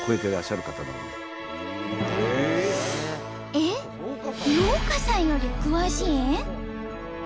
えっ農家さんより詳しいん？